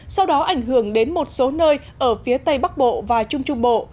sau đó ảnh hưởng đến một số nơi ở phía tây bắc bộ và trung trung bộ